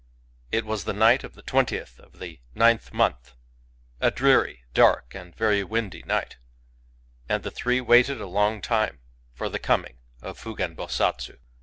It was the night of the twentieth of the ninth month, — a dreary, dark, and very windy night; and the three waited a long time for the coming of Fugen Bosatsu.